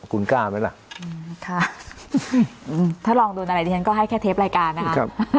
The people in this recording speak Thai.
คุณกล้าไหมล่ะค่ะถ้าลองโดนอะไรดิฉันก็ให้แค่เทปรายการนะคะ